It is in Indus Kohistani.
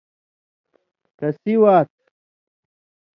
”کسی وات“